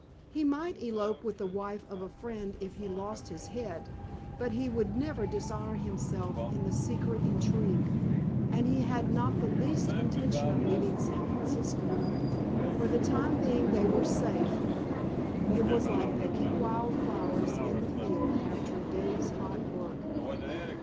He might elope with the wife of a friend if he lost his head, but he would never dishonor himself in the secret intrigue. And he had not the least intention of leaving San Francisco. For the time being they were safe. It was like picking wild flowers in the field after a day's hot work.